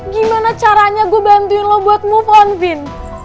gimana caranya gue bantuin lo buat move on vin